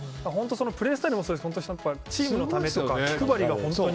プレースタイルもそうですがチームのための気配りが本当に。